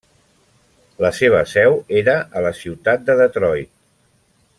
La seva seu era a la ciutat de Detroit.